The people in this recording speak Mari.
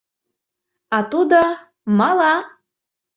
А тудо... мала!